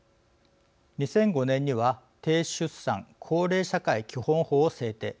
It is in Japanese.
２００５年には低出産・高齢社会基本法を制定。